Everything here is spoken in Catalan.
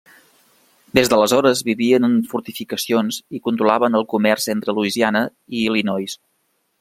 Des d'aleshores vivien en fortificacions i controlaven el comerç entre Louisiana i Illinois.